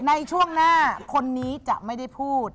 ในช่วงหน้าคนนี้จะไม่ได้พูด